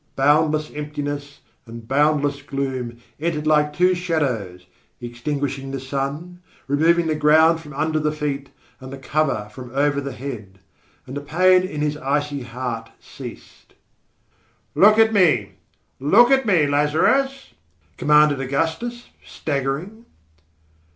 Boundless Emptiness and Boundless Gloom entered like two shadows, extinguishing the sun, removing the ground from under the feet, and the cover from over the head. And the pain in his icy heart ceased. "Look at me, look at me, Lazarus!" commanded Augustus, staggering...